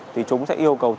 thì chúng sẽ yêu cầu tiền